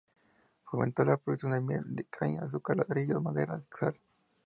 Fomentó la producción de miel de caña, azúcar, ladrillos, maderas, sal.